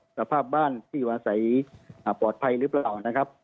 สรรพาภาพบ้านอยู่อาศัยปลอดภัยหรือเปล่า